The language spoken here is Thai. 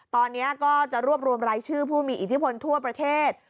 ตอนนี้ก็จะรวบรวมรายชื่อผู้มีอิทธิพลทั่วประเทศ